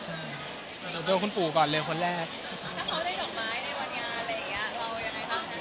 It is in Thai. หรือว่าถ้าผู้ดาราอยู่มันจะจัดโดนตลอด